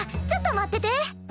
ちょっと待ってて！